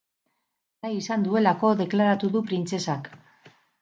Nahi izan duelako deklaratu du printzesak.